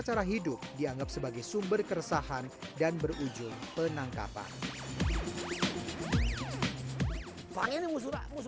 cara hidup dianggap sebagai sumber keresahan dan berujung penangkapan yang musuh musuh